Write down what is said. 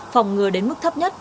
phòng ngừa đến mức thấp nhất